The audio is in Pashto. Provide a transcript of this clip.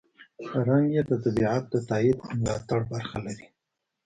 رنګ یې د طبیعت د تاييد او ملاتړ برخه لري.